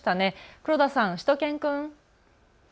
黒田さん、しゅと犬くん。